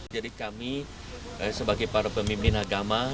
jadi kami sebagai para pemimpin agama